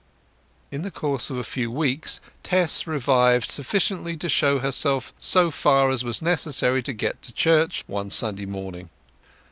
In the course of a few weeks Tess revived sufficiently to show herself so far as was necessary to get to church one Sunday morning.